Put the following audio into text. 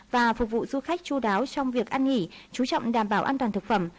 và phục vụ du khách chú đáo trong việc ăn nghỉ chú trọng đảm bảo an toàn thực phẩm